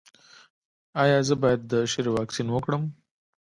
ایا زه باید د شري واکسین وکړم؟